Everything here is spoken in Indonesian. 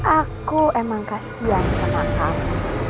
aku emang kasian sama kamu